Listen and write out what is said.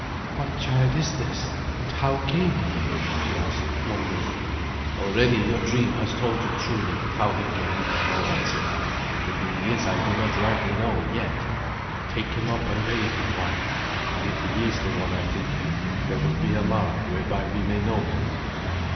"What child is this? and how came he here?" she asked, wondering. "Already your dream has told you truly how he came," Grim answered, "but who he is I do not rightly know yet. Take him up and bathe him, wife; and if he is the one I think him, there will be a mark whereby we may know him."